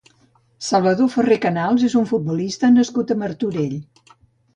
Salvador Ferrer Canals és un futbolista nascut a Martorell.